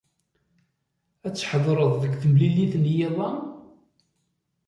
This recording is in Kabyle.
Ad tḥedṛed deg temlilit n yiḍ-a?